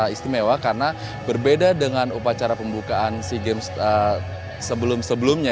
istimewa karena berbeda dengan upacara pembukaan sea games sebelum sebelumnya